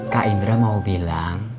kak indra mau bilang